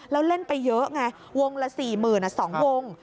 แล้วเล่นไปเยอะไงวงละ๔๐๐๐๐บาทเมื่อก่อน๒วง